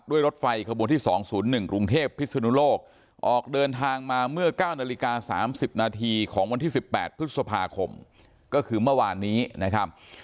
รถไฟขบวนที่๒๐๑กรุงเทพพิศนุโลกออกเดินทางมาเมื่อ๙นาฬิกา๓๐นาทีของวันที่๑๘พฤษภาคมก็คือเมื่อวานนี้นะครับ